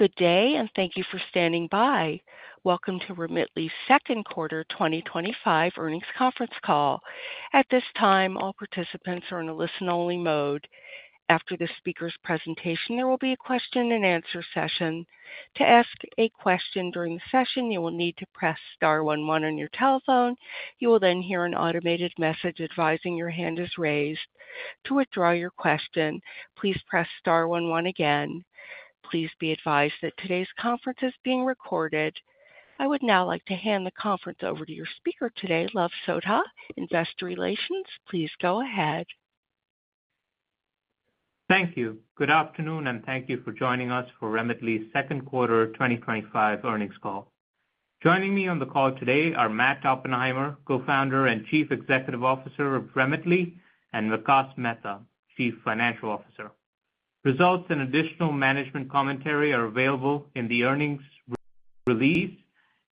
Good day, and thank you for standing by. Welcome to Remitly's Second Quarter 2025 Earnings Conference Call. At this time, all participants are in a listen-only mode. After the speaker's presentation, there will be a question and answer session. To ask a question during the session, you will need to press star one, one on your telephone. You will then hear an automated message advising your hand is raised. To withdraw your question, please press star one, one again. Please be advised that today's conference is being recorded. I would now like to hand the conference over to your speaker today, Luv Sodha, Investor Relations. Please go ahead. Thank you. Good afternoon, and thank you for joining us for Remitly's Second Quarter 2025 Earnings Call. Joining me on the call today are Matt Oppenheimer, Co-Founder and Chief Executive Officer of Remitly, and Vikas Mehta, Chief Financial Officer. Results and additional management commentary are available in the earnings release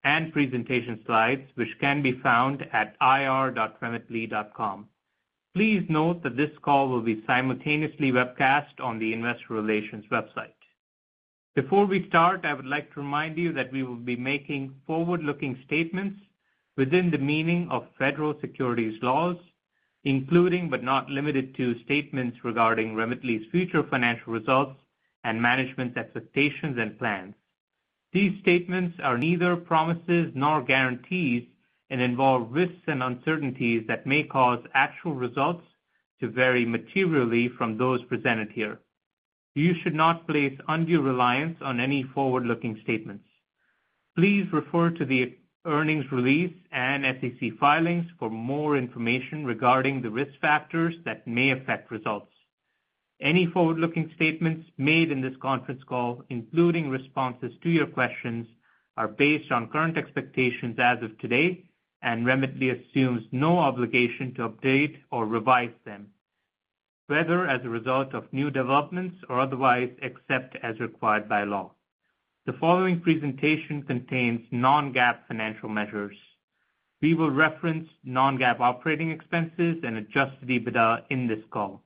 and presentation slides, which can be found at ir.remitly.com. Please note that this call will be simultaneously webcast on the Investor Relations website. Before we start, I would like to remind you that we will be making forward-looking statements within the meaning of federal securities laws, including but not limited to statements regarding Remitly's future financial results and management's expectations and plans. These statements are neither promises nor guarantees and involve risks and uncertainties that may cause actual results to vary materially from those presented here. You should not place undue reliance on any forward-looking statements. Please refer to the earnings release and SEC filings for more information regarding the risk factors that may affect results. Any forward-looking statements made in this conference call, including responses to your questions, are based on current expectations as of today, and Remitly assumes no obligation to update or revise them, whether as a result of new developments or otherwise, except as required by law. The following presentation contains non-GAAP financial measures. We will reference non-GAAP operating expenses and adjusted EBITDA in this call.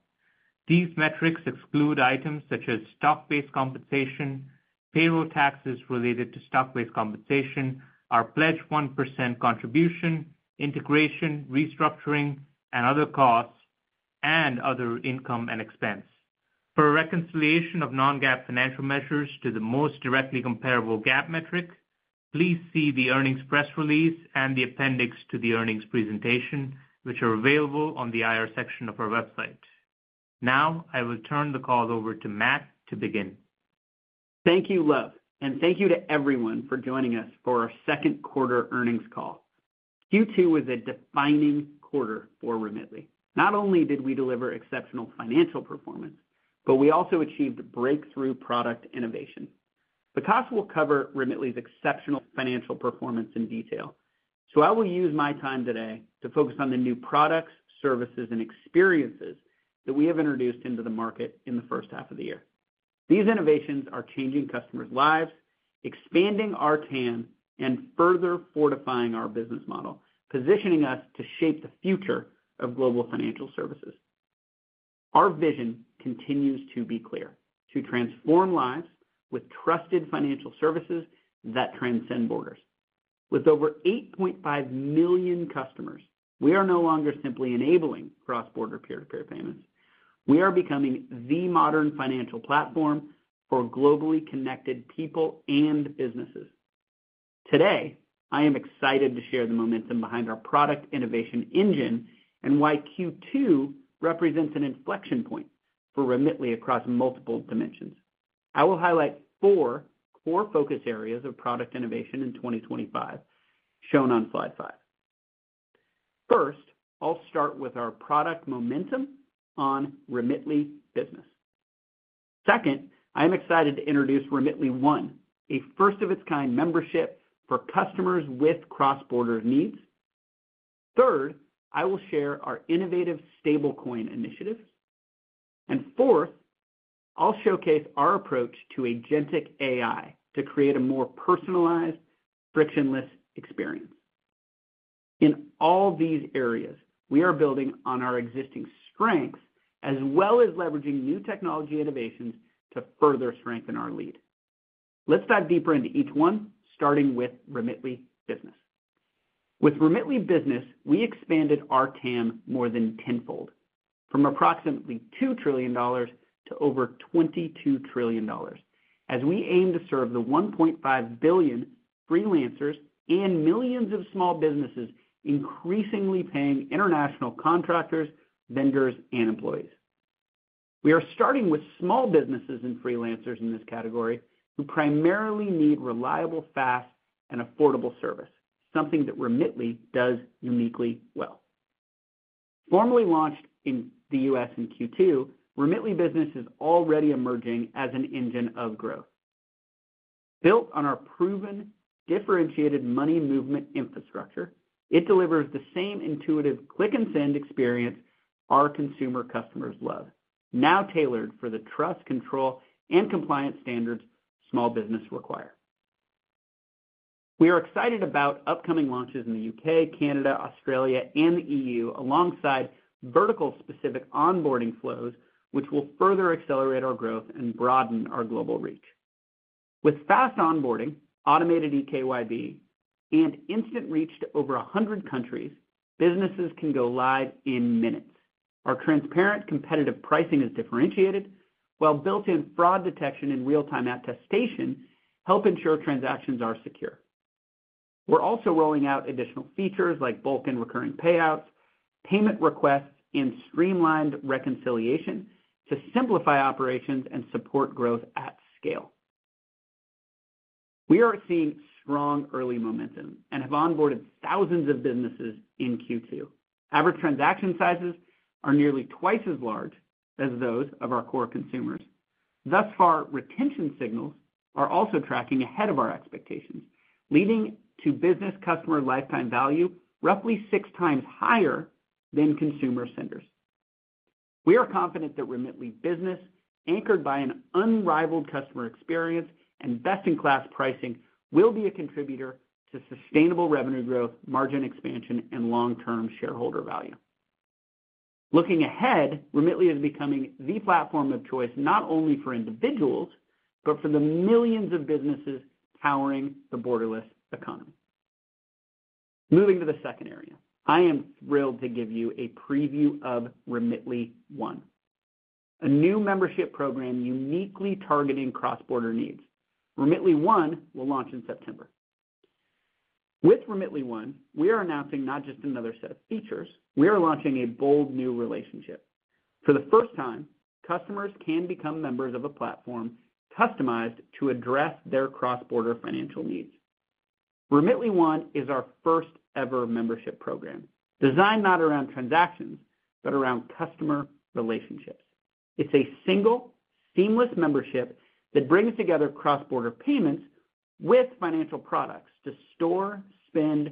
These metrics exclude items such as stock-based compensation, payroll taxes related to stock-based compensation, our pledged 1% contribution, integration, restructuring, and other costs, and other income and expense. For a reconciliation of non-GAAP financial measures to the most directly comparable GAAP metric, please see the earnings press release and the appendix to the earnings presentation, which are available on the IR section of our website. Now, I will turn the call over to Matt to begin. Thank you, Luv, and thank you to everyone for joining us for our second quarter earnings call. Q2 was a defining quarter for Remitly. Not only did we deliver exceptional financial performance, but we also achieved breakthrough product innovation. Vikas will cover Remitly's exceptional financial performance in detail. I will use my time today to focus on the new products, services, and experiences that we have introduced into the market in the first half of the year. These innovations are changing customers' lives, expanding our TAM, and further fortifying our business model, positioning us to shape the future of global financial services. Our vision continues to be clear: to transform lives with trusted financial services that transcend borders. With over 8.5 million customers, we are no longer simply enabling cross-border peer-to-peer payments. We are becoming the modern financial platform for globally connected people and businesses. Today, I am excited to share the momentum behind our product innovation engine and why Q2 represents an inflection point for Remitly across multiple dimensions. I will highlight four core focus areas of product innovation in 2024, shown on slide five. First, I'll start with our product momentum on Remitly Business. Second, I am excited to introduce Remitly One, a first-of-its-kind membership for customers with cross-border needs. Third, I will share our innovative stablecoin initiative. Fourth, I'll showcase our approach to Agentic AI to create a more personalized, frictionless experience. In all these areas, we are building on our existing strengths, as well as leveraging new technology innovations to further strengthen our lead. Let's dive deeper into each one, starting with Remitly Business. With Remitly Business, we expanded our TAM more than tenfold, from approximately $2 trillion to over $22 trillion, as we aim to serve the 1.5 billion freelancers and millions of small businesses, increasingly paying international contractors, vendors, and employees. We are starting with small businesses and freelancers in this category, who primarily need reliable, fast, and affordable service, something that Remitly does uniquely well. Formally launched in the U.S. in Q2, Remitly Business is already emerging as an engine of growth. Built on our proven, differentiated money movement infrastructure, it delivers the same intuitive click-and-send experience our consumer customers love, now tailored for the trust, control, and compliance standards small businesses require. We are excited about upcoming launches in the U.K., Canada, Australia, and the EU, alongside vertical-specific onboarding flows, which will further accelerate our growth and broaden our global reach. With fast onboarding, automated eKYB, and instant reach to over 100 countries, businesses can go live in minutes. Our transparent, competitive pricing is differentiated, while built-in fraud detection and real-time attestation help ensure transactions are secure. We're also rolling out additional features like bulk and recurring payouts, payment requests, and streamlined reconciliation to simplify operations and support growth at scale. We are seeing strong early momentum and have onboarded thousands of businesses in Q2. Average transaction sizes are nearly twice as large as those of our core consumers. Thus far, retention signals are also tracking ahead of our expectations, leading to business-customer lifetime value roughly 6x higher than consumer senders. We are confident that Remitly Business, anchored by an unrivaled customer experience and best-in-class pricing, will be a contributor to sustainable revenue growth, margin expansion, and long-term shareholder value. Looking ahead, Remitly is becoming the platform of choice not only for individuals, but for the millions of businesses powering the borderless economy. Moving to the second area, I am thrilled to give you a preview of Remitly One, a new membership program uniquely targeting cross-border needs. Remitly One will launch in September. With Remitly One, we are announcing not just another set of features; we are launching a bold new relationship. For the first time, customers can become members of a platform customized to address their cross-border financial needs. Remitly One is our first-ever membership program, designed not around transactions, but around customer relationships. It's a single, seamless membership that brings together cross-border payments with financial products to store, spend,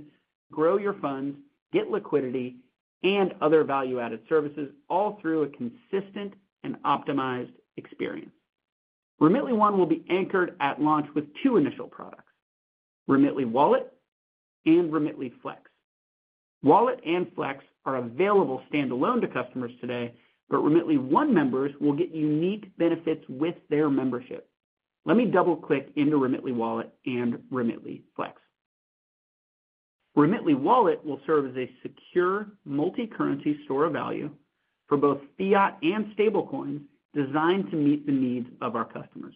grow your funds, get liquidity, and other value-added services, all through a consistent and optimized experience. Remitly One will be anchored at launch with two initial products: Remitly Wallet and Remitly Flex. Wallet and Flex are available standalone to customers today, but Remitly One members will get unique benefits with their membership. Let me double-click into Remitly Wallet and Remitly Flex. Remitly Wallet will serve as a secure, multi-currency store of value for both fiat and stablecoins, designed to meet the needs of our customers.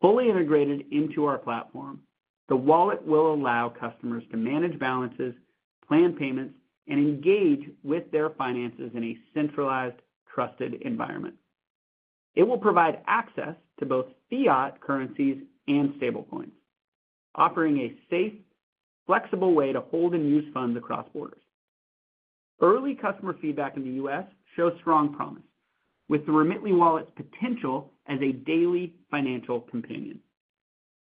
Fully integrated into our platform, the Wallet will allow customers to manage balances, plan payments, and engage with their finances in a centralized, trusted environment. It will provide access to both fiat currencies and stablecoins, offering a safe, flexible way to hold and use funds across borders. Early customer feedback in the U.S. shows strong promise, with the Remitly Wallet's potential as a daily financial companion.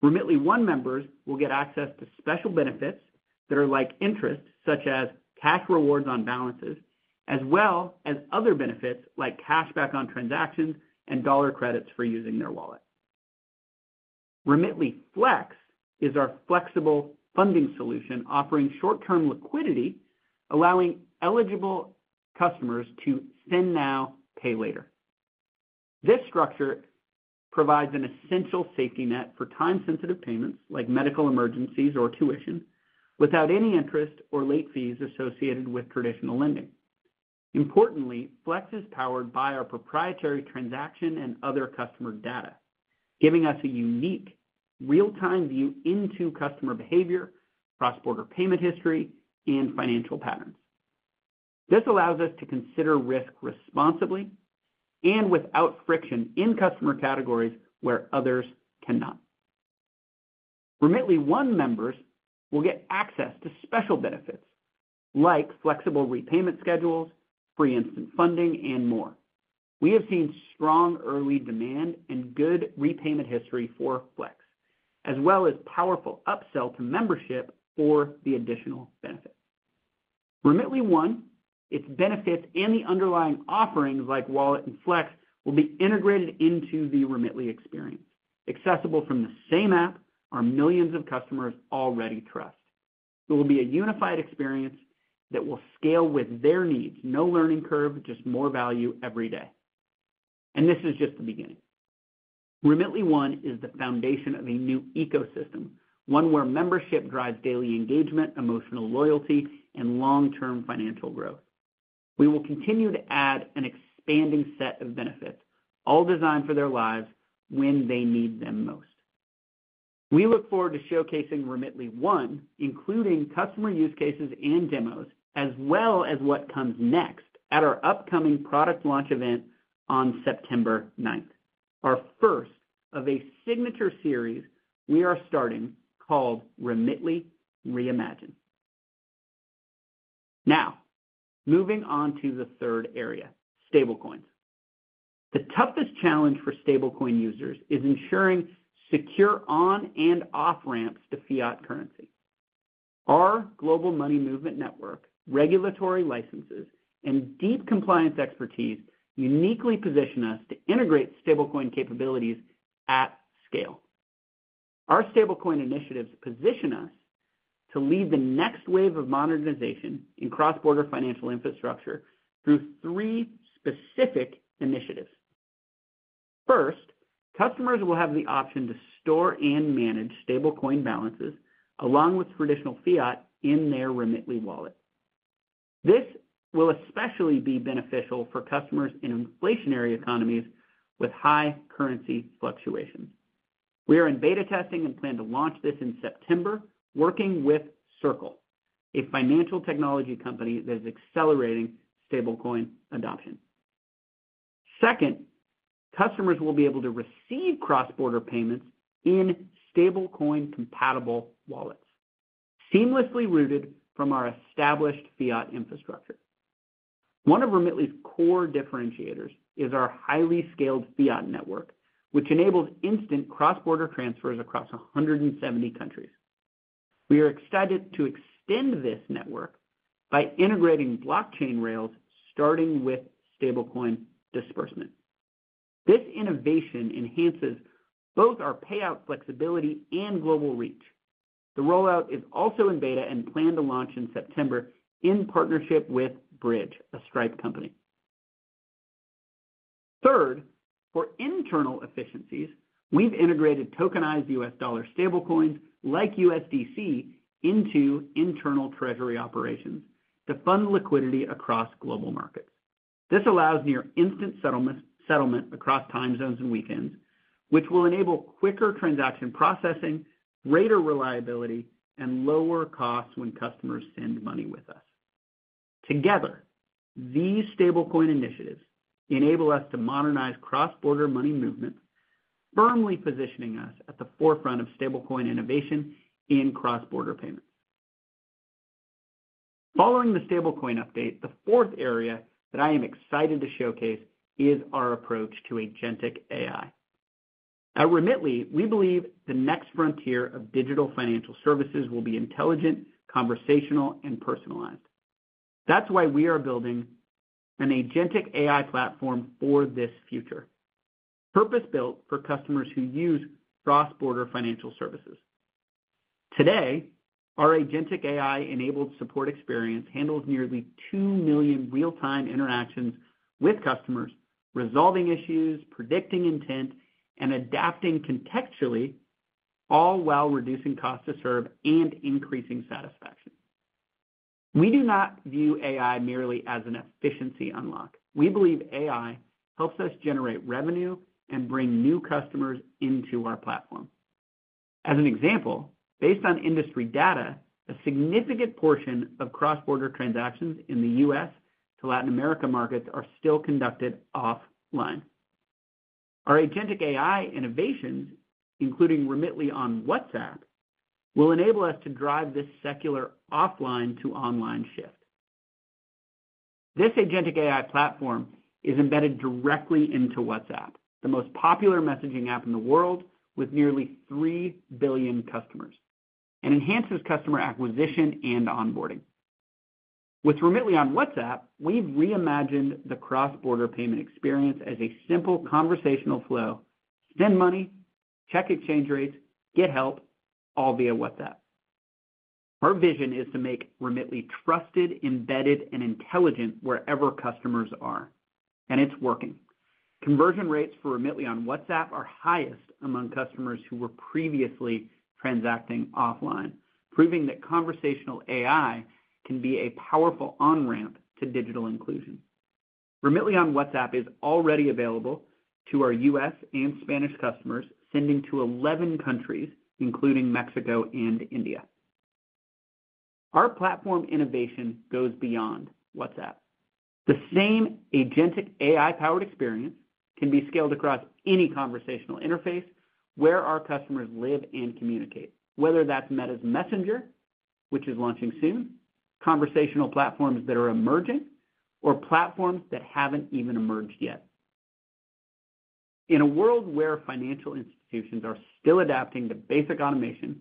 Remitly One members will get access to special benefits that are like interest, such as cash rewards on balances, as well as other benefits like cashback on transactions and dollar credits for using their wallet. Remitly Flex is our flexible funding solution, offering short-term liquidity, allowing eligible customers to "send now, pay later." This structure provides an essential safety net for time-sensitive payments, like medical emergencies or tuition, without any interest or late fees associated with traditional lending. Importantly, Flex is powered by our proprietary transaction and other customer data, giving us a unique, real-time view into customer behavior, cross-border payment history, and financial patterns. This allows us to consider risk responsibly and without friction in customer categories where others cannot. Remitly One members will get access to special benefits, like flexible repayment schedules, free instant funding, and more. We have seen strong early demand and good repayment history for Flex, as well as powerful upsell to membership for the additional benefits. Remitly One, its benefits and the underlying offerings, like Wallet and Flex, will be integrated into the Remitly experience, accessible from the same app our millions of customers already trust. It will be a unified experience that will scale with their needs, no learning curve, just more value every day. This is just the beginning. Remitly One is the foundation of a new ecosystem, one where membership drives daily engagement, emotional loyalty, and long-term financial growth. We will continue to add an expanding set of benefits, all designed for their lives when they need them most. We look forward to showcasing Remitly One, including customer use cases and demos, as well as what comes next at our upcoming product launch event on September 9th, our first of a signature series we are starting called Remitly Reimagine. Now, moving on to the third area, stablecoins. The toughest challenge for stablecoin users is ensuring secure on-and off-ramps to fiat currency. Our global money movement network, regulatory licenses, and deep compliance expertise uniquely position us to integrate stablecoin capabilities at scale. Our stablecoin initiatives position us to lead the next wave of modernization in cross-border financial infrastructure through three specific initiatives. First, customers will have the option to store and manage stablecoin balances, along with traditional fiat, in their Remitly Wallet. This will especially be beneficial for customers in inflationary economies with high currency fluctuations. We are in beta testing and plan to launch this in September, working with Circle, a financial technology company that is accelerating stablecoin adoption. Second, customers will be able to receive cross-border payments in stablecoin-compatible wallets, seamlessly routed from our established fiat infrastructure. One of Remitly's core differentiators is our highly scaled fiat network, which enables instant cross-border transfers across 170 countries. We are excited to extend this network by integrating blockchain rails, starting with stablecoin disbursement. This innovation enhances both our payout flexibility and global reach. The rollout is also in beta and planned to launch in September in partnership with Bridge, a Stripe company. Third, for internal efficiencies, we've integrated tokenized U.S. dollar stablecoins, like USDC, into internal treasury operations to fund liquidity across global markets. This allows near-instant settlement across time zones and weekends, which will enable quicker transaction processing, greater reliability, and lower costs when customers send money with us. Together, these stablecoin initiatives enable us to modernize cross-border money movements, firmly positioning us at the forefront of stablecoin innovation in cross-border payments. Following the stablecoin update, the fourth area that I am excited to showcase is our approach to Agentic AI. At Remitly, we believe the next frontier of digital financial services will be intelligent, conversational, and personalized. That's why we are building an Agentic AI platform for this future, purpose-built for customers who use cross-border financial services. Today, our Agentic AI-enabled support experience handles nearly 2 million real-time interactions with customers, resolving issues, predicting intent, and adapting contextually, all while reducing costs to serve and increasing satisfaction. We do not view AI merely as an efficiency unlock. We believe AI helps us generate revenue and bring new customers into our platform. As an example, based on industry data, a significant portion of cross-border transactions in the U.S. to Latin America markets are still conducted offline. Our Agentic AI innovations, including Remitly on WhatsApp, will enable us to drive this secular offline-to-online shift. This Agentic AI platform is embedded directly into WhatsApp, the most popular messaging app in the world, with nearly 3 billion customers, and enhances customer acquisition and onboarding. With Remitly on WhatsApp, we've reimagined the cross-border payment experience as a simple conversational flow: send money, check exchange rates, get help, all via WhatsApp. Our vision is to make Remitly trusted, embedded, and intelligent wherever customers are, and it's working. Conversion rates for Remitly on WhatsApp are highest among customers who were previously transacting offline, proving that conversational AI can be a powerful on-ramp to digital inclusion. Remitly on WhatsApp is already available to our U.S. and Spanish customers, sending to 11 countries, including Mexico and India. Our platform innovation goes beyond WhatsApp. The same Agentic AI-powered experience can be scaled across any conversational interface where our customers live and communicate, whether that's Meta's Messenger, which is launching soon, conversational platforms that are emerging, or platforms that haven't even emerged yet. In a world where financial institutions are still adapting to basic automation,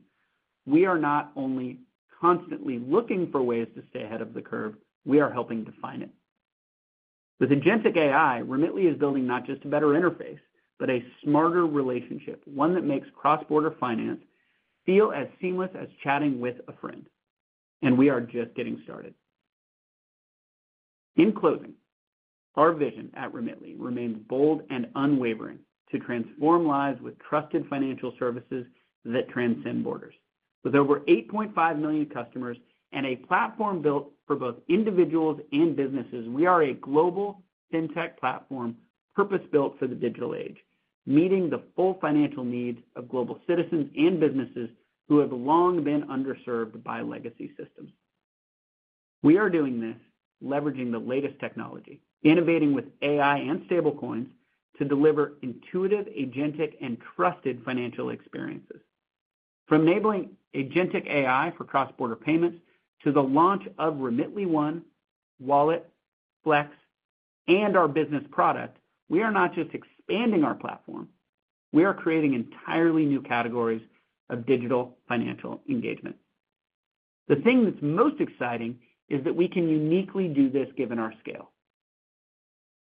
we are not only constantly looking for ways to stay ahead of the curve, we are helping to find it. With Agentic AI, Remitly is building not just a better interface, but a smarter relationship, one that makes cross-border finance feel as seamless as chatting with a friend. We are just getting started. In closing, our vision at Remitly remains bold and unwavering to transform lives with trusted financial services that transcend borders. With over 8.5 million customers and a platform built for both individuals and businesses, we are a global fintech platform purpose-built for the digital age, meeting the full financial needs of global citizens and businesses who have long been underserved by legacy systems. We are doing this leveraging the latest technology, innovating with AI and stablecoins to deliver intuitive, agentic, and trusted financial experiences. From enabling Agentic AI for cross-border payments to the launch of Remitly One, Wallet, Flex, and our business product, we are not just expanding our platform, we are creating entirely new categories of digital financial engagement. The thing that's most exciting is that we can uniquely do this given our scale.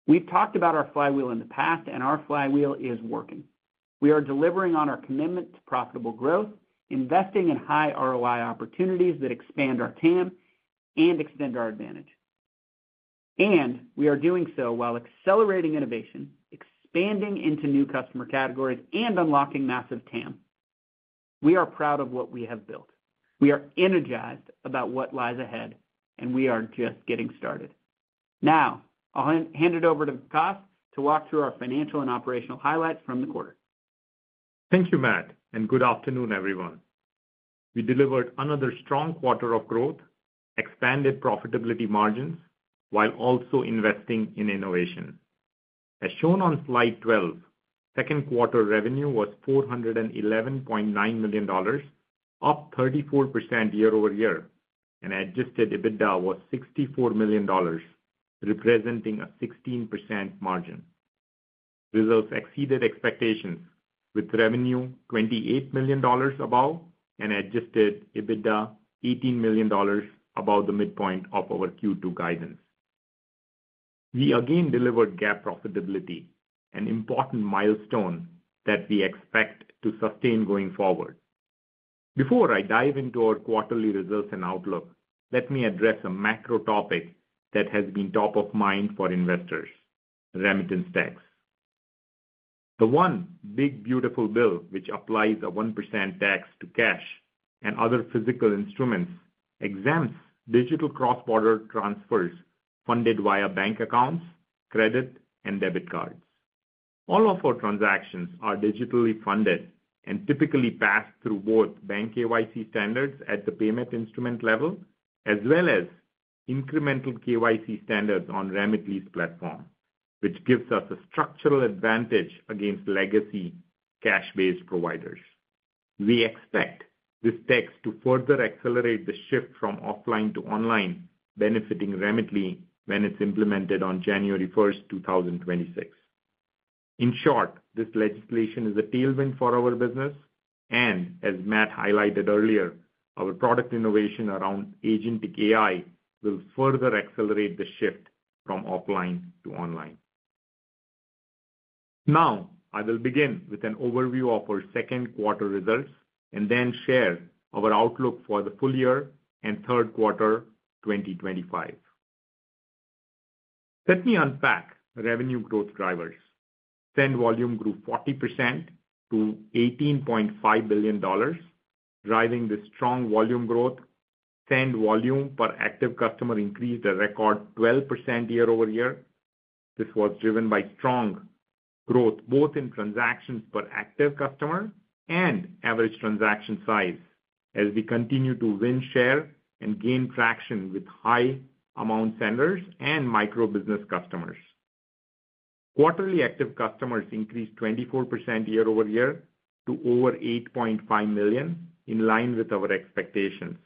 We've talked about our flywheel in the past, and our flywheel is working. We are delivering on our commitment to profitable growth, investing in high ROI opportunities that expand our TAM and extend our advantage. We are doing so while accelerating innovation, expanding into new customer categories, and unlocking massive TAM. We are proud of what we have built. We are energized about what lies ahead, and we are just getting started. Now, I'll hand it over to Vikas to walk through our financial and operational highlights from the quarter. Thank you, Matt, and good afternoon, everyone. We delivered another strong quarter of growth, expanded profitability margins, while also investing in innovation. As shown on slide 12, second quarter revenue was $411.9 million, up 34% year-over-year, and adjusted EBITDA was $64 million, representing a 16% margin. Results exceeded expectations, with revenue $28 million above and adjusted EBITDA $18 million above the midpoint of our Q2 guidance. We again delivered GAAP profitability, an important milestone that we expect to sustain going forward. Before I dive into our quarterly results and outlook, let me address a macro topic that has been top of mind for investors: remittance tax. The one big beautiful bill, which applies a 1% tax to cash and other physical instruments, exempts digital cross-border transfers funded via bank accounts, credit, and debit cards. All of our transactions are digitally funded and typically passed through both bank KYC standards at the payment instrument level, as well as incremental KYC standards on Remitly's platform, which gives us a structural advantage against legacy cash-based providers. We expect this tax to further accelerate the shift from offline to online, benefiting Remitly when it's implemented on January 1st, 2026. In short, this legislation is a tailwind for our business, and as Matt highlighted earlier, our product innovation around Agentic AI will further accelerate the shift from offline to online. Now, I will begin with an overview of our second quarter results and then share our outlook for the full year and third quarter 2025. Let me unpack revenue growth drivers. Send volume grew 40% to $18.5 billion, driving this strong volume growth. Send volume per active customer increased a record 12% year-over-year. This was driven by strong growth, both in transactions per active customer and average transaction size, as we continue to win share and gain traction with high-amount senders and micro-business customers. Quarterly active customers increased 24% year-over-year to over 8.5 million, in line with our expectations,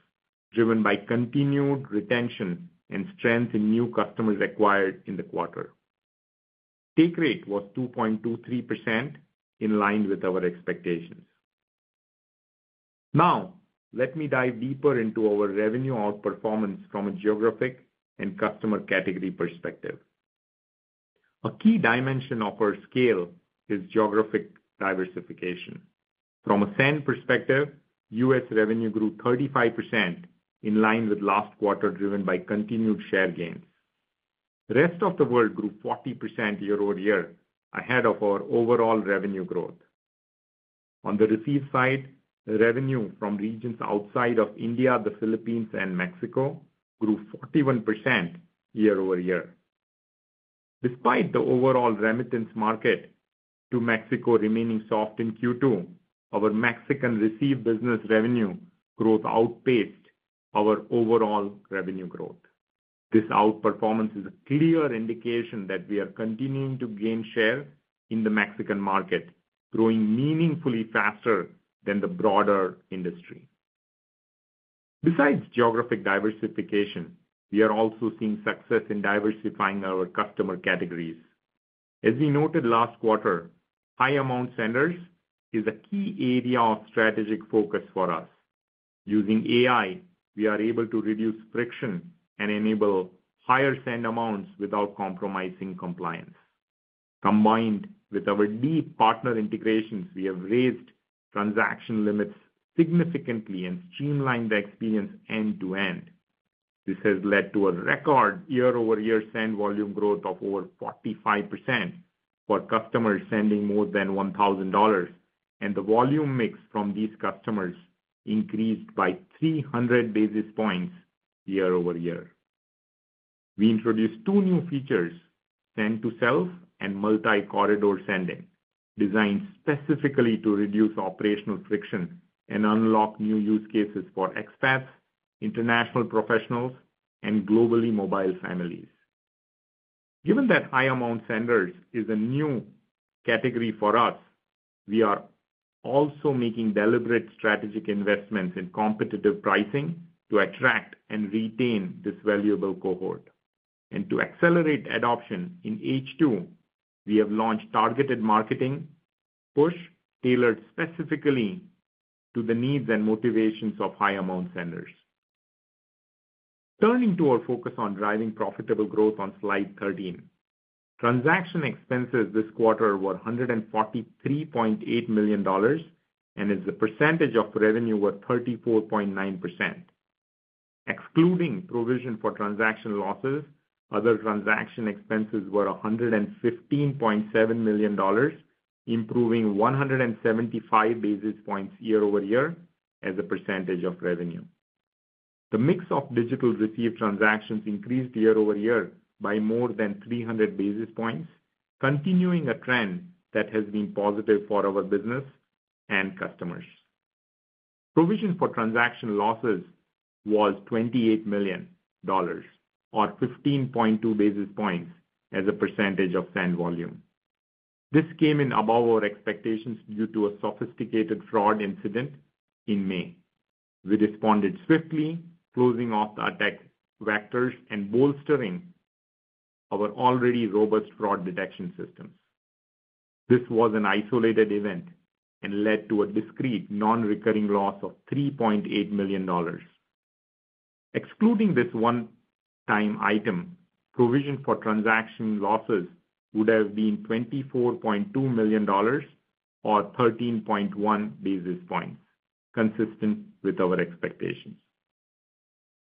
driven by continued retention and strength in new customers acquired in the quarter. Take rate was 2.23%, in line with our expectations. Now, let me dive deeper into our revenue outperformance from a geographic and customer category perspective. A key dimension of our scale is geographic diversification. From a send perspective, U.S. revenue grew 35%, in line with last quarter, driven by continued share gains. The rest of the world grew 40% year-over-year, ahead of our overall revenue growth. On the receive side, revenue from regions outside of India, the Philippines, and Mexico grew 41% year-over-year. Despite the overall remittance market to Mexico remaining soft in Q2, our Mexican receive business revenue growth outpaced our overall revenue growth. This outperformance is a clear indication that we are continuing to gain share in the Mexican market, growing meaningfully faster than the broader industry. Besides geographic diversification, we are also seeing success in diversifying our customer categories. As we noted last quarter, high-amount senders is a key area of strategic focus for us. Using AI, we are able to reduce friction and enable higher send amounts without compromising compliance. Combined with our deep partner integrations, we have raised transaction limits significantly and streamlined the experience end-to-end. This has led to a record year-over-year send volume growth of over 45% for customers sending more than $1,000, and the volume mix from these customers increased by 300 basis points year-over-year. We introduced two new features: send-to-self and multi-corridor sending, designed specifically to reduce operational friction and unlock new use cases for expats, international professionals, and globally mobile families. Given that high-amount senders is a new category for us, we are also making deliberate strategic investments in competitive pricing to attract and retain this valuable cohort. To accelerate adoption in H2, we have launched targeted marketing push tailored specifically to the needs and motivations of high-amount senders. Turning to our focus on driving profitable growth on slide 13, transaction expenses this quarter were $143.8 million, and as a percentage of revenue, were 34.9%. Excluding provision for transaction losses, other transaction expenses were $115.7 million, improving 175 basis points year-over-year as a percentage of revenue. The mix of digital receive transactions increased year-over-year by more than 300 basis points, continuing a trend that has been positive for our business and customers. Provision for transaction losses was $28 million, or 15.2 basis points as a percentage of send volume. This came in above our expectations due to a sophisticated fraud incident in May. We responded swiftly, closing off the attack vectors and bolstering our already robust fraud detection system. This was an isolated event and led to a discrete non-recurring loss of $3.8 million. Excluding this one-time item, provision for transaction losses would have been $24.2 million or 13.1 basis points, consistent with our expectation.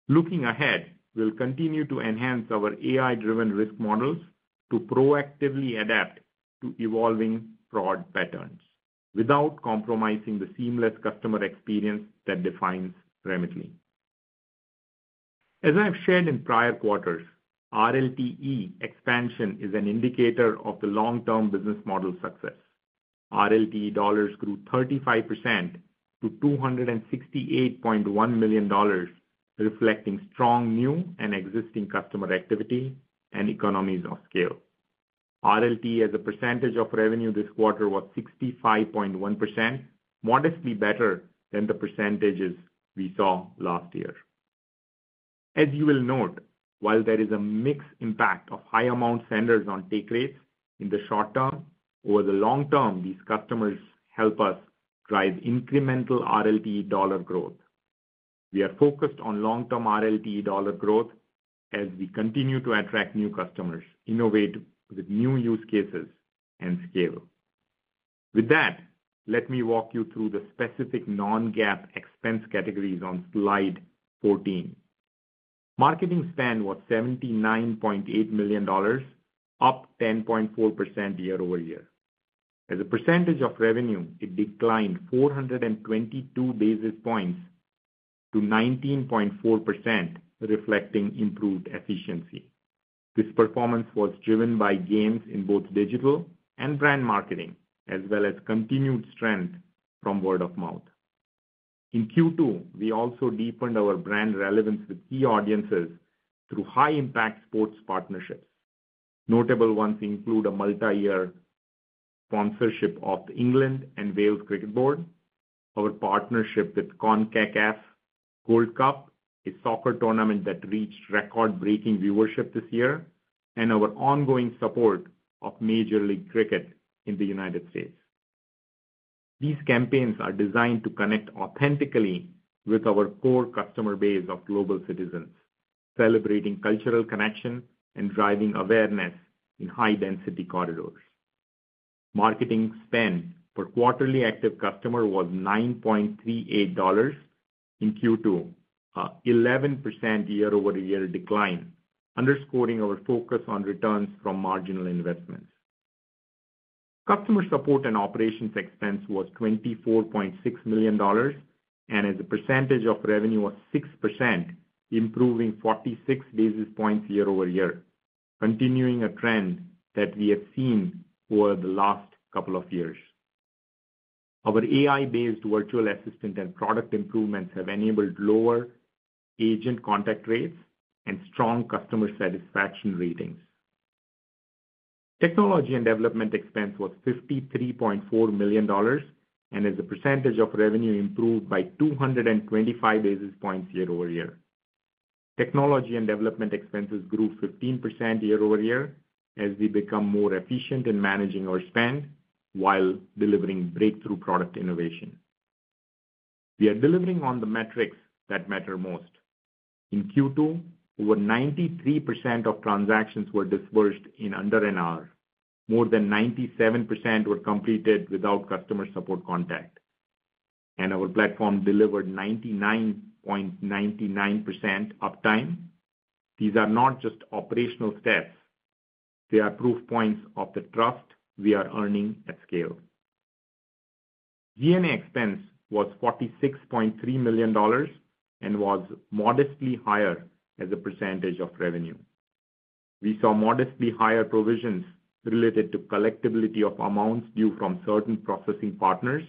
Looking ahead, we'll continue to enhance our AI-driven risk models to proactively adapt to evolving fraud patterns without compromising the seamless customer experience that defines Remitly. As I've shared in prior quarters, RLTE expansion is an indicator of the long-term business model success. RLTE dollars grew 35% to $268.1 million, reflecting strong new and existing customer activity and economies of scale. RLTE as a percentage of revenue this quarter was 65.1%, modestly better than the percentages we saw last year. As you will note, while there is a mixed impact of high-amount senders on take rates in the short term, over the long term, these customers help us drive incremental RLTE dollar growth. We are focused on long-term RLTE dollar growth as we continue to attract new customers, innovate with new use cases, and scale. With that, let me walk you through the specific non-GAAP expense categories on slide 14. Marketing spend was $79.8 million, up 10.4% year-over-year. As a percentage of revenue, it declined 422 basis points to 19.4%, reflecting improved efficiency. This performance was driven by gains in both digital and brand marketing, as well as continued strength from word of mouth. In Q2, we also deepened our brand relevance with key audiences through high-impact sports partnerships. Notable ones include a multi-year sponsorship of the England and Wales Cricket Board, our partnership with Concacaf Gold Cup, a soccer tournament that reached record-breaking viewership this year, and our ongoing support of Major League Cricket in the U.S. These campaigns are designed to connect authentically with our core customer base of global citizens, celebrating cultural connection and driving awareness in high-density corridors. Marketing spend per quarterly active customer was $9.38 in Q2, an 11% year-over-year decline, underscoring our focus on returns from marginal investments. Customer support and operations expense was $24.6 million, and as a percentage of revenue of 6%, improving 46 basis points year-over-year, continuing a trend that we have seen over the last couple of years. Our AI-based virtual assistant and product improvements have enabled lower agent contact rates and strong customer satisfaction ratings. Technology and development expense was $53.4 million, and as a percentage of revenue, improved by 225 basis points year-over-year. Technology and development expenses grew 15% year-over-year as we become more efficient in managing our spend while delivering breakthrough product innovation. We are delivering on the metrics that matter most. In Q2, over 93% of transactions were disbursed in under an hour. More than 97% were completed without customer support contact, and our platform delivered 99.99% uptime. These are not just operational steps, they are proof points of the trust we are earning at scale. G&A expense was $46.3 million and was modestly higher as a percentage of revenue. We saw modestly higher provisions related to collectability of amounts due from certain processing partners,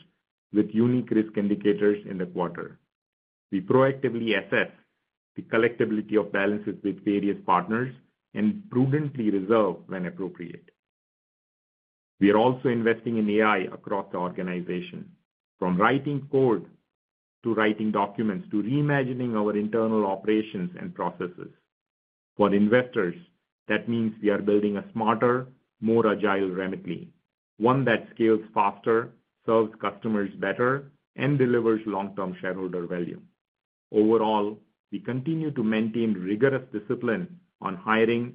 with unique risk indicators in the quarter. We proactively assess the collectability of balances with various partners and prudently reserve when appropriate. We are also investing in AI across the organization, from writing code to writing documents to reimagining our internal operations and processes. For investors, that means we are building a smarter, more agile Remitly, one that scales faster, serves customers better, and delivers long-term shareholder value. Overall, we continue to maintain rigorous discipline on hiring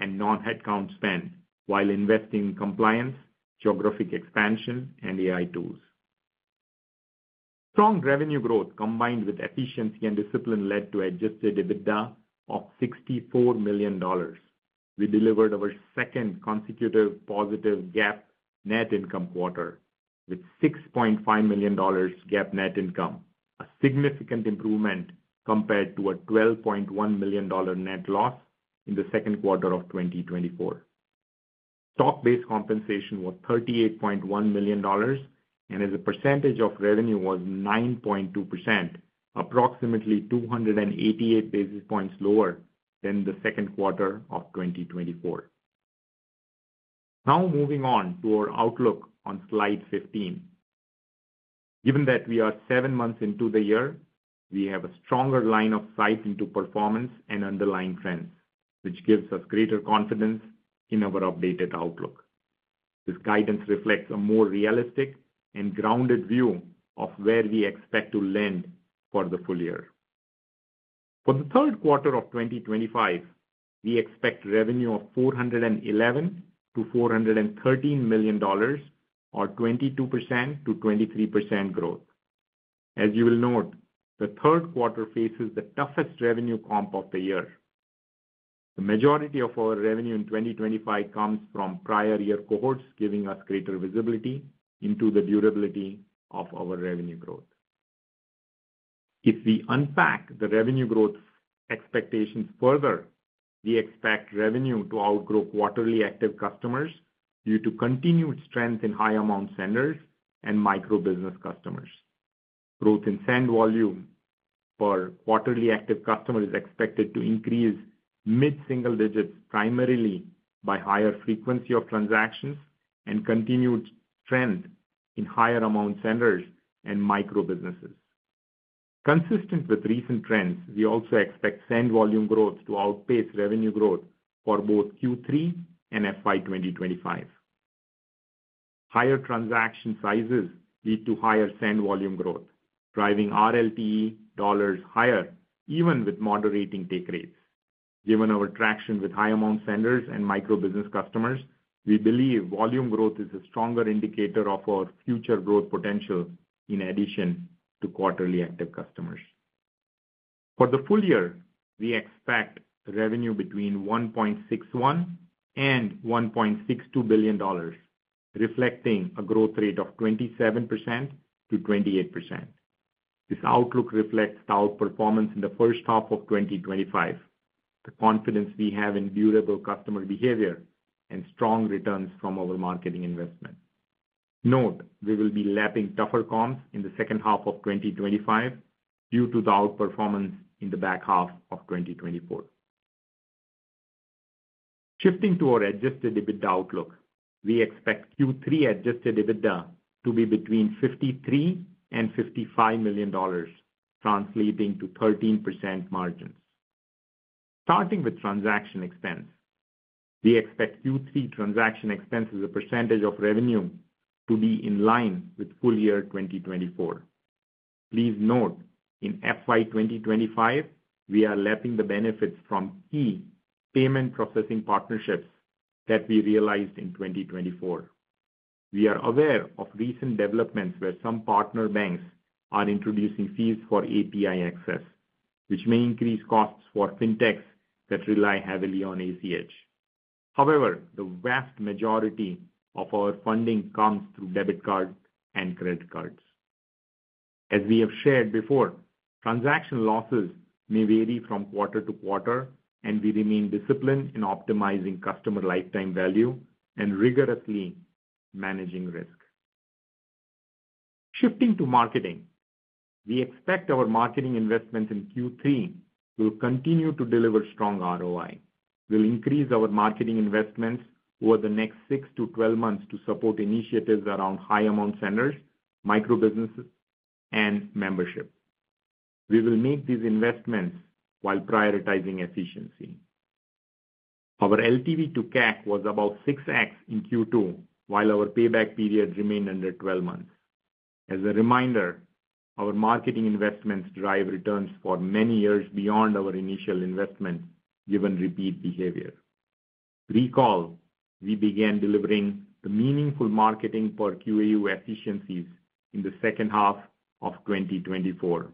and non-headcount spend while investing in compliance, geographic expansion, and AI tools. Strong revenue growth combined with efficiency and discipline led to adjusted EBITDA of $64 million. We delivered our second consecutive positive GAAP net income quarter, with $6.5 million GAAP net income, a significant improvement compared to a $12.1 million net loss in the second quarter of 2024. Stock-based compensation was $38.1 million, and as a percentage of revenue, was 9.2%, approximately 288 basis points lower than the second quarter of 2024. Now, moving on to our outlook on slide 15. Given that we are seven months into the year, we have a stronger line of sight into performance and underlying trends, which gives us greater confidence in our updated outlook. This guidance reflects a more realistic and grounded view of where we expect to land for the full year. For the third quarter of 2025, we expect revenue of $411 million-$413 million, or 22%-23% growth. As you will note, the third quarter faces the toughest revenue comp of the year. The majority of our revenue in 2025 comes from prior year cohorts, giving us greater visibility into the durability of our revenue growth. If we unpack the revenue growth expectations further, we expect revenue to outgrow quarterly active customers due to continued strength in high-amount senders and micro-business customers. Growth in send volume per quarterly active customer is expected to increase mid-single digits, primarily by higher frequency of transactions and continued trend in higher-amount senders and micro-businesses. Consistent with recent trends, we also expect send volume growth to outpace revenue growth for both Q3 and FY 2025. Higher transaction sizes lead to higher send volume growth, driving RLTE dollars higher, even with moderating take rates. Given our traction with high-amount senders and micro-business customers, we believe volume growth is a stronger indicator of our future growth potential in addition to quarterly active customers. For the full year, we expect revenue between $1.61 and $1.62 billion, reflecting a growth rate of 27%-28%. This outlook reflects the outperformance in the first half of 2025, the confidence we have in durable customer behavior, and strong returns from our marketing investment. Note, we will be lapping tougher comps in the second half of 2025 due to the outperformance in the back half of 2024. Shifting to our adjusted EBITDA outlook, we expect Q3 adjusted EBITDA to be between $53 and $55 million, translating to 13% margins. Starting with transaction expense, we expect Q3 transaction expense as a percentage of revenue to be in line with full year 2024. Please note, in FY 2025, we are lapping the benefits from key payment processing partnerships that we realized in 2024. We are aware of recent developments where some partner banks are introducing fees for API access, which may increase costs for fintechs that rely heavily on ACH. However, the vast majority of our funding comes through debit cards and credit cards. As we have shared before, transaction losses may vary from quarter-to-quarter, and we remain disciplined in optimizing customer lifetime value and rigorously managing risk. Shifting to marketing. We expect our marketing investments in Q3 will continue to deliver strong ROI. We'll increase our marketing investments over the next 6-12 months to support initiatives around high-amount senders, micro-businesses, and membership. We will make these investments while prioritizing efficiency. Our LTV to CAC was about 6x in Q2, while our payback period remained under 12 months. As a reminder, our marketing investments drive returns for many years beyond our initial investment, given repeat behavior. Recall, we began delivering the meaningful marketing per QAU efficiencies in the second half of 2024.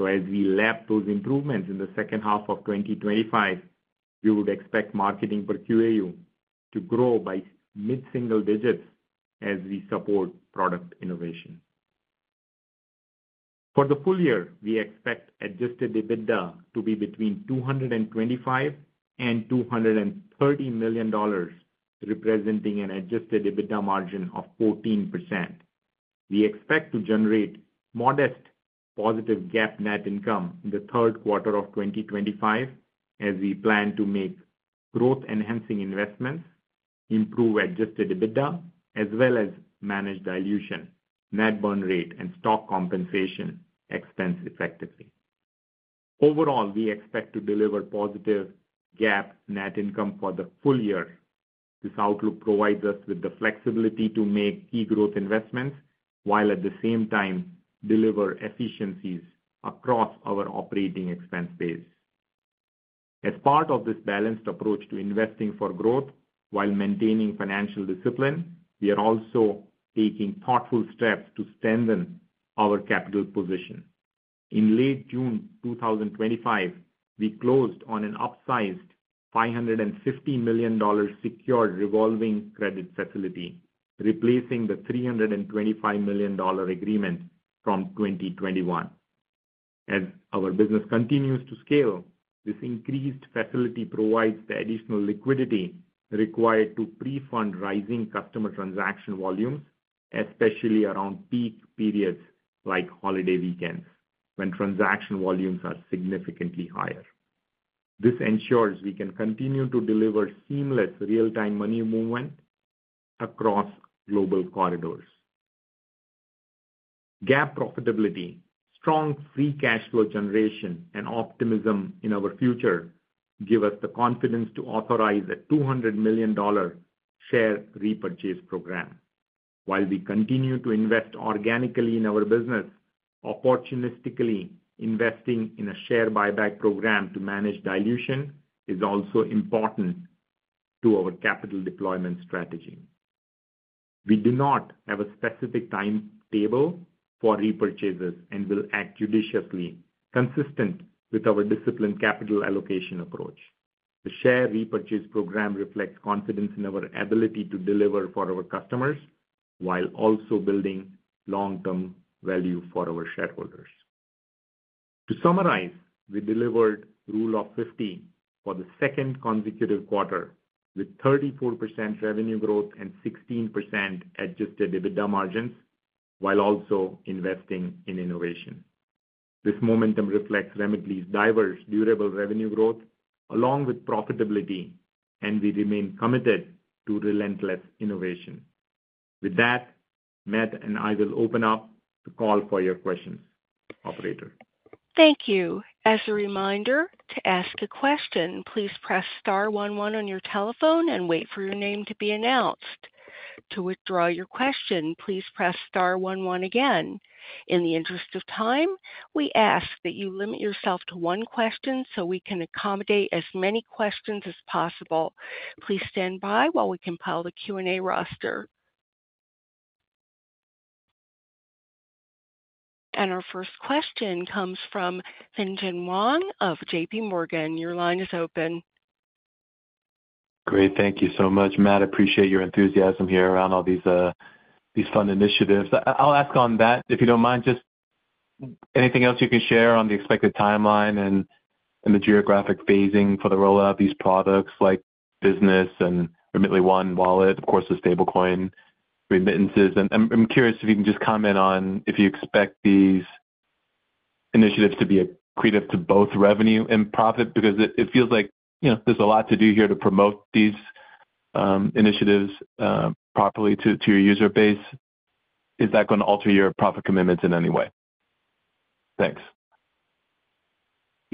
As we lap those improvements in the second half of 2025, we would expect marketing per QAU to grow by mid-single digits as we support product innovation. For the full year, we expect adjusted EBITDA to be between $225 million and $230 million, representing an adjusted EBITDA margin of 14%. We expect to generate modest positive GAAP net income in the third quarter of 2025, as we plan to make growth-enhancing investments, improve adjusted EBITDA, as well as manage dilution, net burn rate, and stock compensation expense effectively. Overall, we expect to deliver positive GAAP net income for the full year. This outlook provides us with the flexibility to make key growth investments, while at the same time deliver efficiencies across our operating expense base. As part of this balanced approach to investing for growth, while maintaining financial discipline, we are also taking thoughtful steps to strengthen our capital position. In late June 2025, we closed on an upsized $550 million secured revolving credit facility, replacing the $325 million agreement from 2021. As our business continues to scale, this increased facility provides the additional liquidity required to pre-fund rising customer transaction volumes, especially around peak periods like holiday weekends, when transaction volumes are significantly higher. This ensures we can continue to deliver seamless real-time money movement across global corridors. GAAP profitability, strong free cash flow generation, and optimism in our future give us the confidence to authorize a $200 million share repurchase program. While we continue to invest organically in our business, opportunistically investing in a share buyback program to manage dilution is also important to our capital deployment strategy. We do not have a specific timetable for repurchases and will act judiciously, consistent with our disciplined capital allocation approach. The share repurchase program reflects confidence in our ability to deliver for our customers, while also building long-term value for our shareholders. To summarize, we delivered Rule of 50 for the second consecutive quarter, with 34% revenue growth and 16% adjusted EBITDA margins, while also investing in innovation. This momentum reflects Remitly's diverse, durable revenue growth, along with profitability, and we remain committed to relentless innovation. With that, Matt and I will open up the call for your questions. Operator. Thank you. As a reminder, to ask a question, please press star one, one on your telephone and wait for your name to be announced. To withdraw your question, please press star one, one again. In the interest of time, we ask that you limit yourself to one question so we can accommodate as many questions as possible. Please stand by while we compile the Q&A roster. Our first question comes from Tien-Tsin Huang of JP Morgan. Your line is open. Great, thank you so much. Matt, I appreciate your enthusiasm here around all these fun initiatives. I'll ask on that, if you don't mind, just anything else you can share on the expected timeline and the geographic phasing for the rollout of these products like Remitly Business and Remitly One, Wallet, of course, the stablecoin remittances. I'm curious if you can just comment on if you expect these initiatives to be accretive to both revenue and profit, because it feels like there's a lot to do here to promote these initiatives properly to your user base. Is that going to alter your profit commitments in any way? Thanks.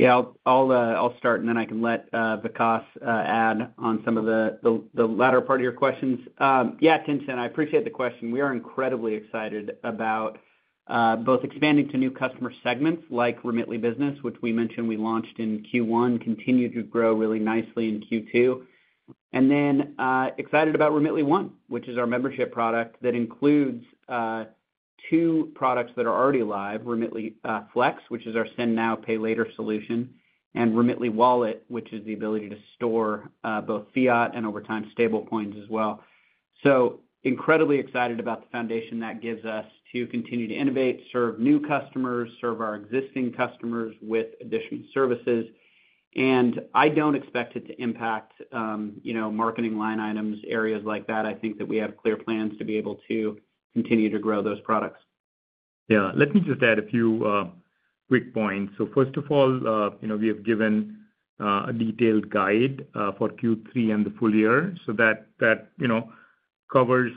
Yes, I'll start and then I can let Vikas add on some of the latter part of your questions. Yeah, Tien-Tsin, I appreciate the question. We are incredibly excited about both expanding to new customer segments like Remitly Business, which we mentioned we launched in Q1, continued to grow really nicely in Q2. We are excited about Remitly One, which is our membership product that includes two products that are already live, Remitly Flex, which is our send now, pay later solution, and Remitly Wallet, which is the ability to store both fiat and over time stablecoins as well. We are incredibly excited about the foundation that gives us to continue to innovate, serve new customers, serve our existing customers with additional services. I don't expect it to impact, you know, marketing line items, areas like that. I think that we have clear plans to be able to continue to grow those products. Yes, let me just add a few quick points. First of all, we have given a detailed guide for Q3 and the full year. That covers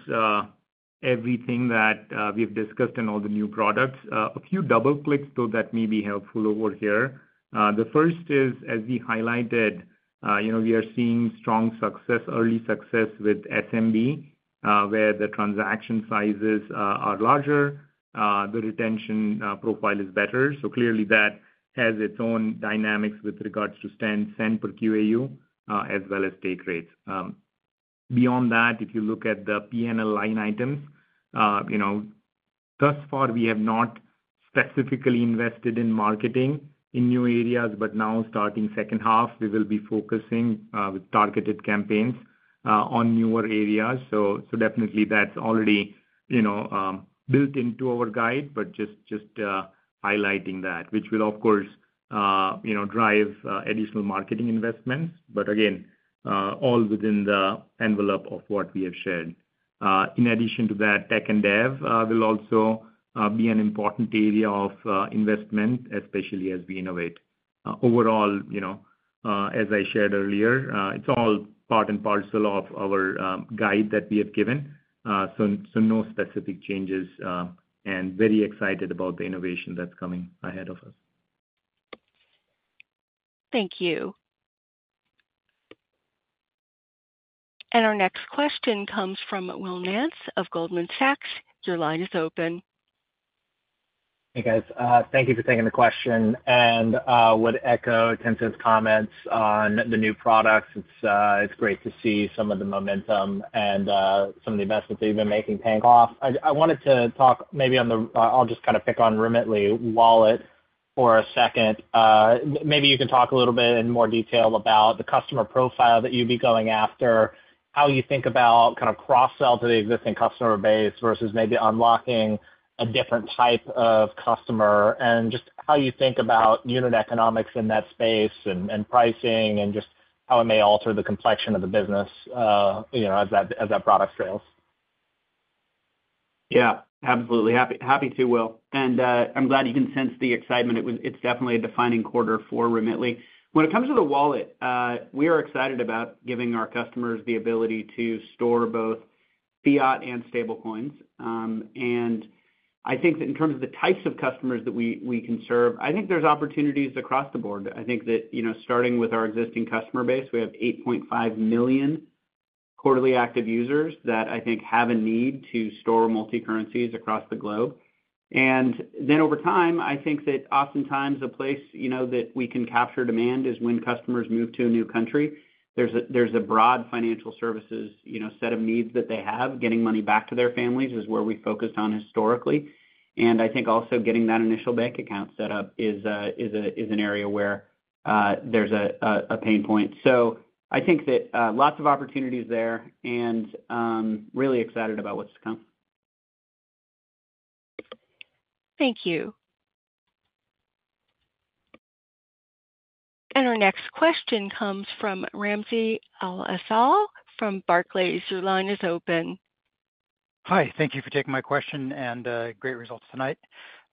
everything that we've discussed and all the new products. A few double clicks, though, that may be helpful over here. The first is, as we highlighted, we are seeing strong success, early success with SMB, where the transaction sizes are larger, the retention profile is better. Clearly that has its own dynamics with regards to send per QAU, as well as take rates. Beyond that, if you look at the P&L line items, thus far we have not specifically invested in marketing in new areas, but now starting second half, we will be focusing with targeted campaigns on newer areas. Definitely that's already built into our guide, but just highlighting that, which will, of course, drive additional marketing investments. Again, all within the envelope of what we have shared. In addition to that, tech and dev will also be an important area of investment, especially as we innovate. Overall, as I shared earlier, it's all part and parcel of our guide that we have given. No specific changes, and very excited about the innovation that's coming ahead of us. Thank you. Our next question comes from Will Nance of Goldman Sachs. Your line is open. Hey guys, thank you for taking the question. I would echo Tien-Tsin's comments on the new products. It's great to see some of the momentum and some of the investments that you've been making take off. I wanted to talk maybe on the, I'll just kind of pick on Remitly Wallet for a second. Maybe you can talk a little bit in more detail about the customer profile that you'd be going after, how you think about kind of cross-sell to the existing customer base versus maybe unlocking a different type of customer, and just how you think about unit economics in that space and pricing and just how it may alter the complexion of the business, you know, as that product scales. Yeah, absolutely. Happy to, Will. I'm glad you can sense the excitement. It's definitely a defining quarter for Remitly. When it comes to the Wallet, we are excited about giving our customers the ability to store both fiat and stablecoins. I think that in terms of the types of customers that we can serve, there's opportunities across the board. Starting with our existing customer base, we have 8.5 million quarterly active users that I think have a need to store multi-currencies across the globe. Over time, I think that oftentimes a place that we can capture demand is when customers move to a new country. There's a broad financial services set of needs that they have. Getting money back to their families is where we focus on historically. I think also getting that initial bank account set up is an area where there's a pain point. I think that lots of opportunities are there and really excited about what's to come. Thank you. Our next question comes from Ramsey Al-Assaal from Barclays. Your line is open. Hi, thank you for taking my question and great results tonight.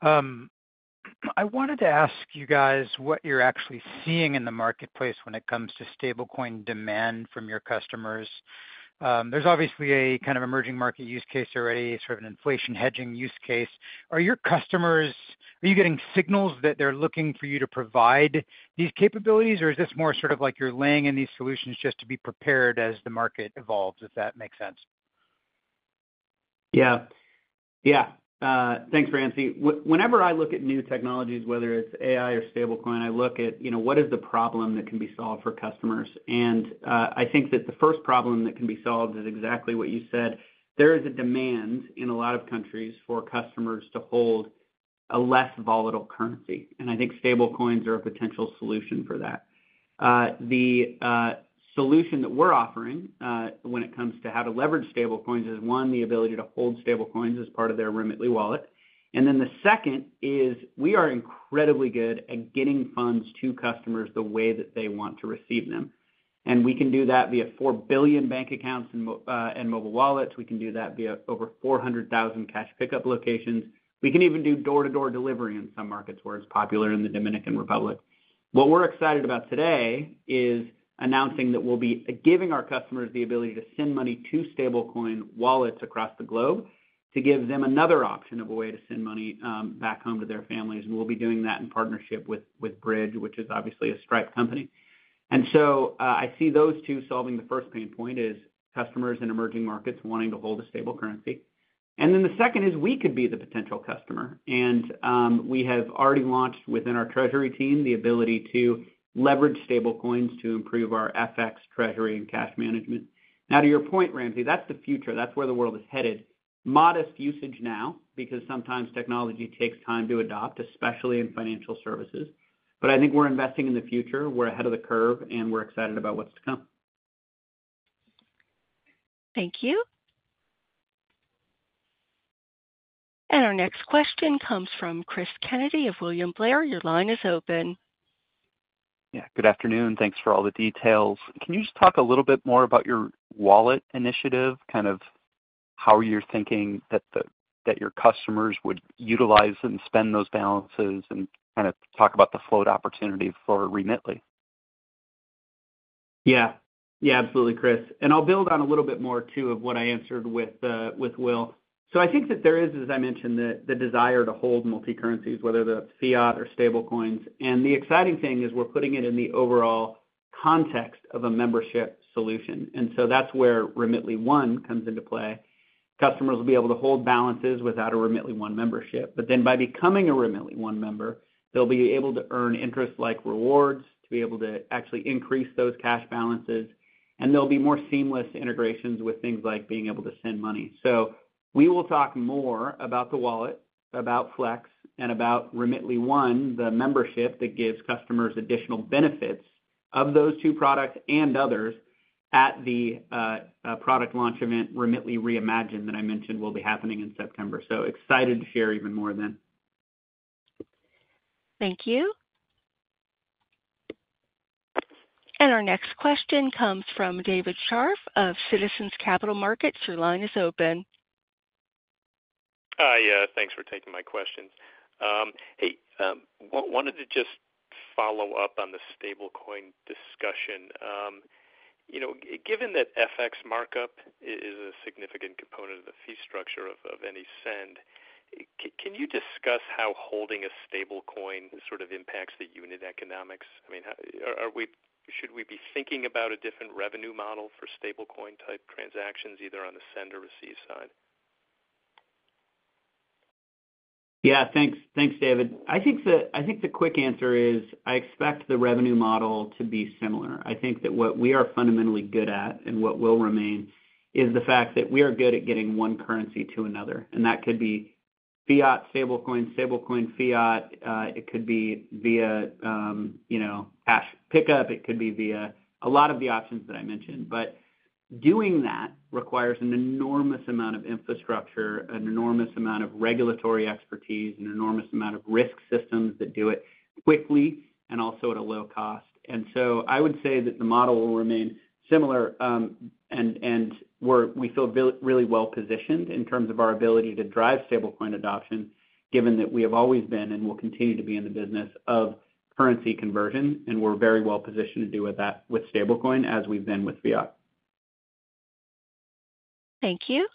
I wanted to ask you guys what you're actually seeing in the marketplace when it comes to stablecoin demand from your customers. There's obviously a kind of emerging market use case already, sort of an inflation hedging use case. Are your customers, are you getting signals that they're looking for you to provide these capabilities, or is this more sort of like you're laying in these solutions just to be prepared as the market evolves, if that makes sense? Yeah, thanks, Ramsey. Whenever I look at new technologies, whether it's AI or stablecoin, I look at, you know, what is the problem that can be solved for customers. I think that the first problem that can be solved is exactly what you said. There is a demand in a lot of countries for customers to hold a less volatile currency. I think stablecoins are a potential solution for that. The solution that we're offering when it comes to how to leverage stablecoins is, one, the ability to hold stablecoins as part of their Remitly Wallet. The second is we are incredibly good at getting funds to customers the way that they want to receive them. We can do that via 4 billion bank accounts and mobile wallets. We can do that via over 400,000 cash pickup locations. We can even do door-to-door delivery in some markets where it's popular in the Dominican Republic. What we're excited about today is announcing that we'll be giving our customers the ability to send money to stablecoin wallets across the globe to give them another option of a way to send money back home to their families. We'll be doing that in partnership with Bridge, which is obviously a Stripe company. I see those two solving the first pain point, which is customers in emerging markets wanting to hold a stable currency. The second is we could be the potential customer. We have already launched within our treasury team the ability to leverage stablecoins to improve our FX treasury and cash management. Now, to your point, Ramsey, that's the future. That's where the world is headed. Modest usage now, because sometimes technology takes time to adopt, especially in financial services. I think we're investing in the future. We're ahead of the curve, and we're excited about what's to come. Thank you. Our next question comes from Cris Kennedy of William Blair. Your line is open. Yeah, good afternoon. Thanks for all the details. Can you just talk a little bit more about your Wallet initiative, kind of how you're thinking that your customers would utilize and spend those balances, and kind of talk about the float opportunity for Remitly? Yeah, absolutely, Cris. I'll build on a little bit more too of what I answered with Will. I think that there is, as I mentioned, the desire to hold multi-currencies, whether that's fiat or stablecoins. The exciting thing is we're putting it in the overall context of a membership solution. That's where Remitly One comes into play. Customers will be able to hold balances without a Remitly One membership, but then by becoming a Remitly One member, they'll be able to earn interest-like rewards to be able to actually increase those cash balances. There'll be more seamless integrations with things like being able to send money. We will talk more about the Wallet, about Flex, and about Remitly One, the membership that gives customers additional benefits of those two products and others at the product launch event, Remitly Reimagine, that I mentioned will be happening in September. Excited to share even more then. Thank you. Our next question comes from David Sharf of Citizens Capital Markets. Your line is open. Hi, thanks for taking my question. I wanted to just follow up on the stablecoin discussion. Given that FX markup is a significant component of the fee structure of any send, can you discuss how holding a stablecoin sort of impacts the unit economics? Should we be thinking about a different revenue model for stablecoin type transactions, either on the send or receive side? Yeah, thanks, thanks David. I think the quick answer is I expect the revenue model to be similar. I think that what we are fundamentally good at and what will remain is the fact that we are good at getting one currency to another. That could be fiat, stablecoin, stablecoin, fiat. It could be via, you know, cash pickup. It could be via a lot of the options that I mentioned. Doing that requires an enormous amount of infrastructure, an enormous amount of regulatory expertise, an enormous amount of risk systems that do it quickly and also at a low cost. I would say that the model will remain similar. We feel really well positioned in terms of our ability to drive stablecoin adoption, given that we have always been and will continue to be in the business of currency conversion. We're very well positioned to do that with stablecoin, as we've been with fiat. Thank you.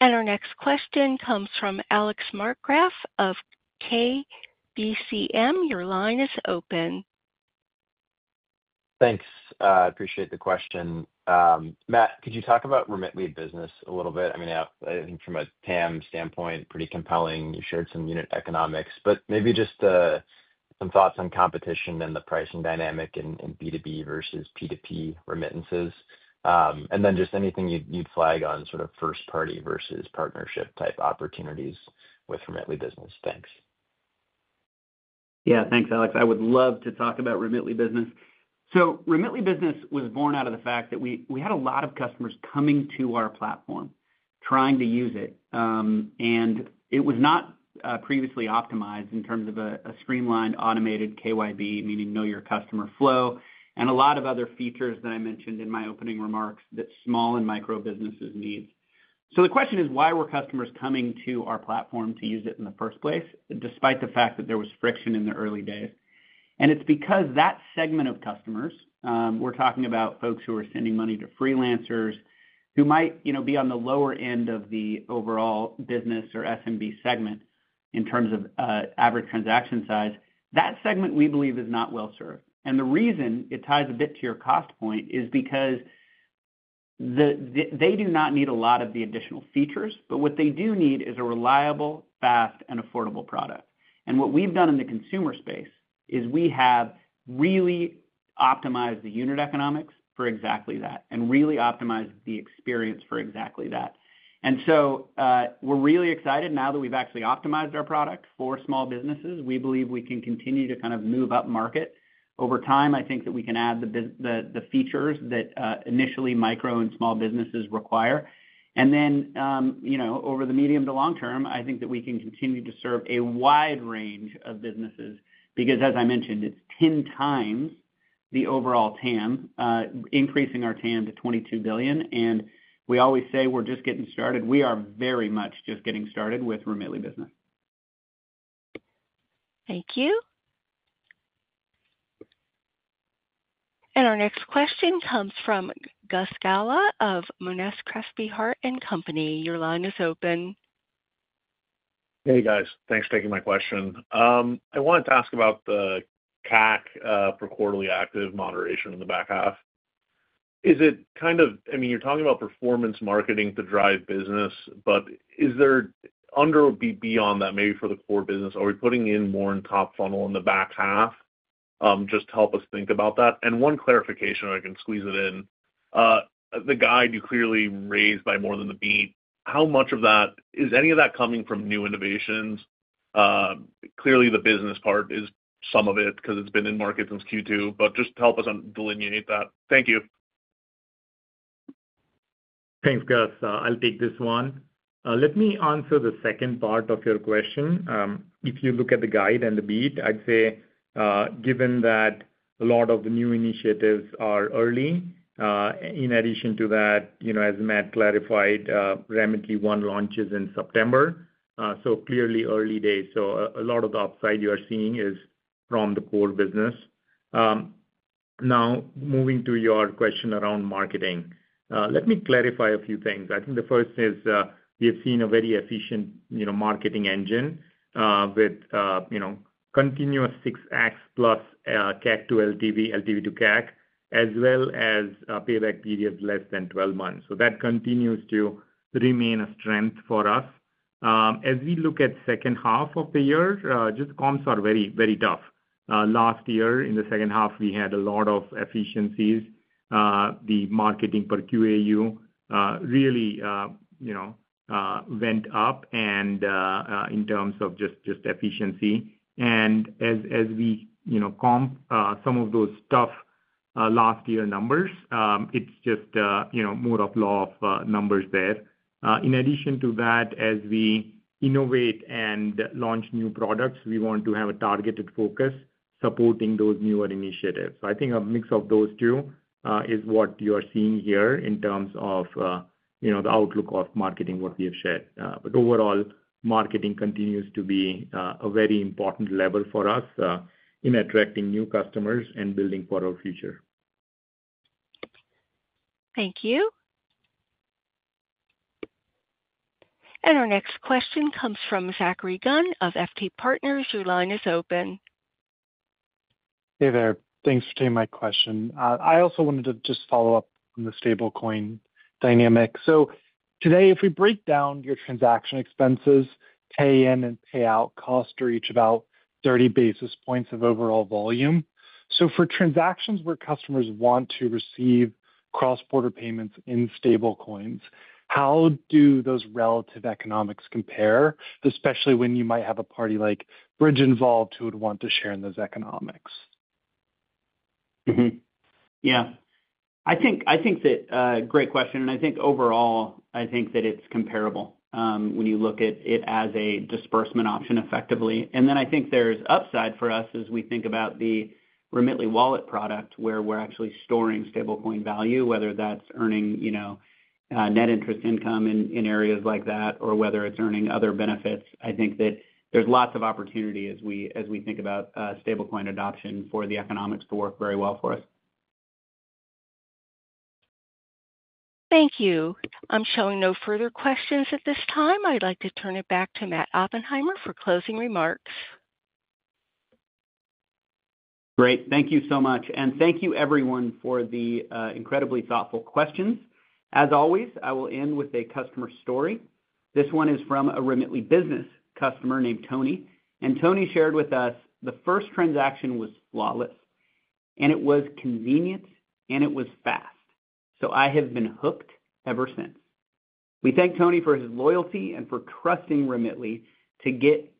Our next question comes from Alex Markgraff of KBCM. Your line is open. Thanks. I appreciate the question. Matt, could you talk about Remitly Business a little bit? I mean, I think from a TAM standpoint, pretty compelling. You shared some unit economics, but maybe just some thoughts on competition and the pricing dynamic in B2B versus P2P remittances. Anything you'd flag on sort of first-party versus partnership type opportunities with Remitly Business? Thanks. Yeah, thanks Alex. I would love to talk about Remitly Business. Remitly Business was born out of the fact that we had a lot of customers coming to our platform, trying to use it. It was not previously optimized in terms of a streamlined, automated KYB, meaning know your customer flow, and a lot of other features that I mentioned in my opening remarks that small and micro-businesses need. The question is why were customers coming to our platform to use it in the first place, despite the fact that there was friction in the early days? It's because that segment of customers, we're talking about folks who are sending money to freelancers, who might, you know, be on the lower end of the overall business or SMB segment in terms of average transaction size. That segment we believe is not well served. The reason it ties a bit to your cost point is because they do not need a lot of the additional features, but what they do need is a reliable, fast, and affordable product. What we've done in the consumer space is we have really optimized the unit economics for exactly that and really optimized the experience for exactly that. We're really excited now that we've actually optimized our product for small businesses. We believe we can continue to kind of move up market over time. I think that we can add the features that initially micro and small businesses require. Over the medium to long term, I think that we can continue to serve a wide range of businesses because, as I mentioned, it's 10x the overall TAM, increasing our TAM to $22 billion. We always say we're just getting started. We are very much just getting started with Remitly Business. Thank you. Our next question comes from Gus Gala of Moness Crespi Hart & Company. Your line is open. Hey guys, thanks for taking my question. I wanted to ask about the CAC per quarterly active moderation in the back half. Is it kind of, I mean, you're talking about performance marketing to drive business, but is there under or beyond that maybe for the core business? Are we putting in more in top funnel in the back half? Just help us think about that. One clarification, I can squeeze it in. The guide you clearly raised by more than the beat, how much of that is any of that coming from new innovations? Clearly, the business part is some of it because it's been in market since Q2, but just to help us delineate that. Thank you. Thanks, Gus. I'll take this one. Let me answer the second part of your question. If you look at the guide and the beat, I'd say given that a lot of the new initiatives are early, in addition to that, as Matt clarified, Remitly One launches in September. Clearly early days. A lot of the upside you are seeing is from the core business. Now, moving to your question around marketing, let me clarify a few things. The first is we have seen a very efficient marketing engine with continuous 6x plus CAC to LTV, LTV to CAC, as well as payback periods less than 12 months. That continues to remain a strength for us. As we look at the second half of the year, comps are very, very tough. Last year, in the second half, we had a lot of efficiencies. The marketing per QAU really went up in terms of efficiency. As we comp some of those tough last year numbers, it's more of law of numbers there. In addition to that, as we innovate and launch new products, we want to have a targeted focus supporting those newer initiatives. I think a mix of those two is what you are seeing here in terms of the outlook of marketing, what we have shared. Overall, marketing continues to be a very important lever for us in attracting new customers and building for our future. Thank you. Our next question comes from Zachary Gunn of FT Partners. Your line is open. Hey there, thanks for taking my question. I also wanted to just follow up on the stablecoin dynamic. Today, if we break down your transaction expenses, pay-in and pay-out costs are each about 30 bps of overall volume. For transactions where customers want to receive cross-border payments in stablecoins, how do those relative economics compare, especially when you might have a party like Bridge involved who would want to share in those economics? Yeah, I think that's a great question. I think overall it's comparable when you look at it as a disbursement option effectively. I think there's upside for us as we think about the Remitly Wallet product where we're actually storing stablecoin value, whether that's earning, you know, net interest income in areas like that or whether it's earning other benefits. I think that there's lots of opportunity as we think about stablecoin adoption for the economics to work very well for us. Thank you. I'm showing no further questions at this time. I'd like to turn it back to Matt Oppenheimer for closing remarks. Great, thank you so much. Thank you, everyone, for the incredibly thoughtful questions. As always, I will end with a customer story. This one is from a Remitly Business customer named Tony. Tony shared with us the first transaction was flawless. It was convenient, and it was fast. I have been hooked ever since. We thank Tony for his loyalty and for trusting Remitly to get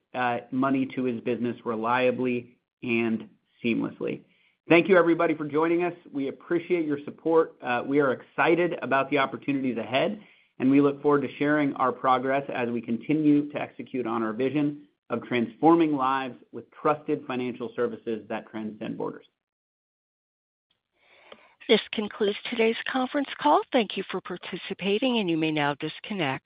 money to his business reliably and seamlessly. Thank you, everybody, for joining us. We appreciate your support. We are excited about the opportunities ahead. We look forward to sharing our progress as we continue to execute on our vision of transforming lives with trusted financial services that transcend borders. This concludes today's conference call. Thank you for participating, and you may now disconnect.